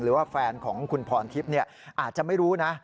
หรือว่าแฟนของคุณพรทิพย์อาจจะไม่รู้นะ